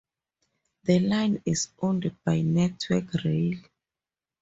The line is owned by Network Rail.